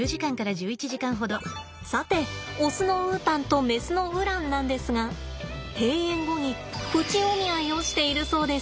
さてオスのウータンとメスのウランなんですが閉園後にプチお見合いをしているそうです。